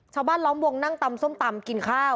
ชาวบ้านล้อมวงนั่งตำส้มตำกินข้าว